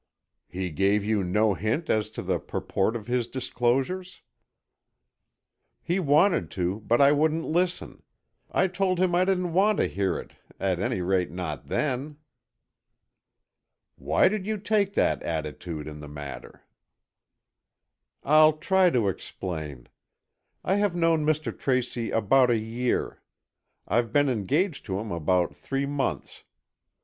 "He gave you no hint as to the purport of his disclosures?" "He wanted to, but I wouldn't listen. I told him I didn't want to hear it, at any rate, not then." "Why did you take that attitude in the matter?" "I'll try to explain. I have known Mr. Tracy about a year. I've been engaged to him about three months.